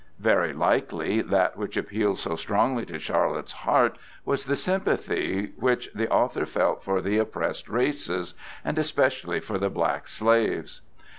Very likely that which appealed so strongly to Charlotte's heart was the sympathy which the author felt for the oppressed races, and especially for the black slaves.